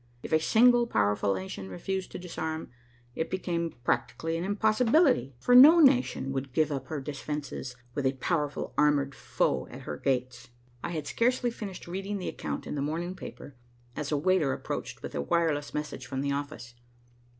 If a single powerful nation refused to disarm, it became practically an impossibility, for no nation would give up her defenses, with a powerful armored foe at her gates. I had scarcely finished reading the account in the morning paper, as a waiter approached with a wireless message from the office.